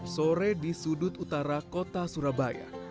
sore di sudut utara kota surabaya